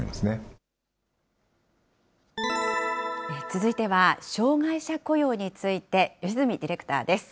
続いては、障害者雇用について、吉住ディレクターです。